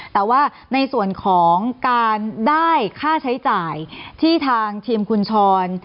แต่ว่าในส่วนของการได้ค่าใช้จ่ายที่ทางทีมคุณชร